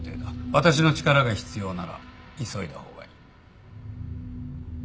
私の力が必要なら急いだほうがいい。